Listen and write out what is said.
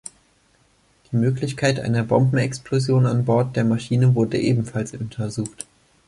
Die Möglichkeit einer Bombenexplosion an Bord der Maschine wurde ebenfalls untersucht.